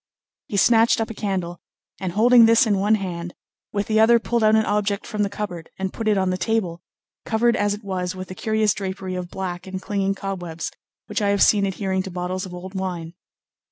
He snatched up a candle, and holding this in one hand, with the other pulled out an object from the cupboard and put it on the table, covered as it was with the curious drapery of black and clinging cobwebs which I have seen adhering to bottles of old wine.